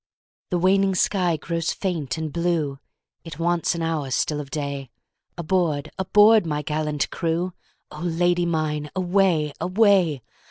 The waning sky grows faint and blue, It wants an hour still of day, Aboard! aboard! my gallant crew,O Lady mine away! away!